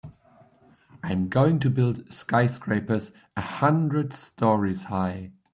I'm going to build skyscrapers a hundred stories high.